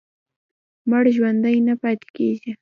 مړ ژوندی نه پاتې کېږي.